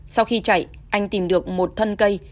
sau khi chạy anh tìm được một thân cây